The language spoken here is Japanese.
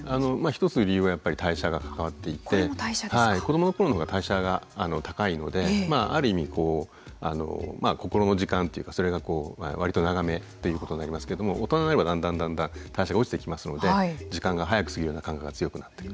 一つ理由はやっぱり代謝が関わっていて子どもの頃の方が代謝が高いのである意味心の時間っていうかそれが割と長めということになりますけれども大人になればだんだんだんだん代謝が落ちてきますので時間が早く過ぎるような感覚が強くなってくるというのがあります。